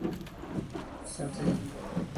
Scene It?